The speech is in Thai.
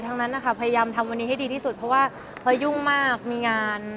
ทั้งนั้นนะคะพยายามทำวันนี้ให้ดีที่สุดเพราะว่าพอยุ่งมากมีงาน